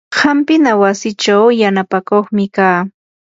hampina wasichaw yanapakuqmi kaa.